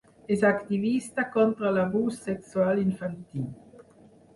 És activista contra l'abús sexual infantil.